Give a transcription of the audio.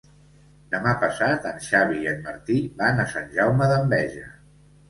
Demà passat en Xavi i en Martí van a Sant Jaume d'Enveja.